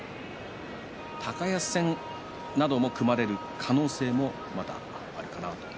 高安戦なども含まれる可能性もまだあるかなと。